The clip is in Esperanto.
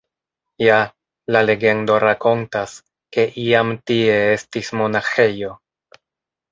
Ja, la legendo rakontas, ke iam tie estis monaĥejo.